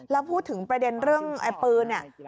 แล้วพูดถึงประเด็นเรื่องไอ้ปืนเนี่ย